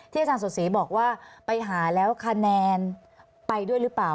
อาจารย์สดศรีบอกว่าไปหาแล้วคะแนนไปด้วยหรือเปล่า